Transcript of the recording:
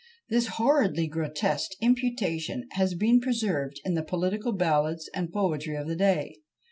This horridly grotesque imputation has been preserved in the political ballads and poetry of the day.